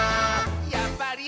「やっぱり！